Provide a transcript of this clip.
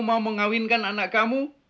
mau mengawinkan anak kamu